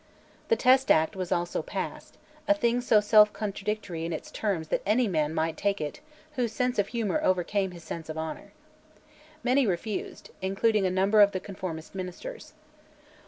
The Test Act was also passed, a thing so self contradictory in its terms that any man might take it whose sense of humour overcame his sense of honour. Many refused, including a number of the conformist ministers.